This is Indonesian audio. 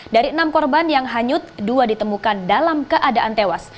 dari enam korban yang hanyut dua ditemukan dalam keadaan tewas